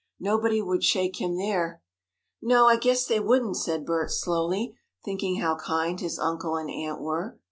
Nobody would shake him there." "No, I guess they wouldn't," said Bert: slowly, thinking how kind his uncle and aunt were.